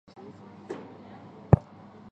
高松车站的铁路车站。